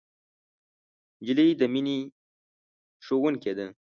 نجلۍ د مینې ښوونکې ده.